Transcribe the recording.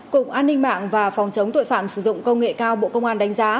cục an ninh mạng và phòng chống tội phạm sử dụng công nghệ cao bộ công an đánh giá